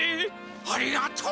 ありがとう！